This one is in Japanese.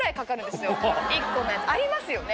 １個のやつありますよね？